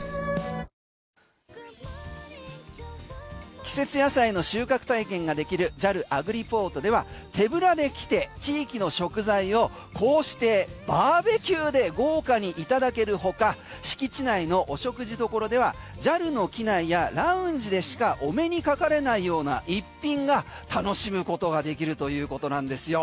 季節野菜の収穫体験ができるＪＡＬＡｇｒｉｐｏｒｔでは手ぶらで来て地域の食材をこうしてバーベキューで豪華にいただける他敷地内のお食事処ではＪＡＬの機内やラウンジでしかお目にかかれないような一品が楽しむことができるということなんですよ。